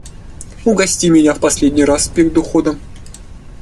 Угости меня в последний раз перед уходом.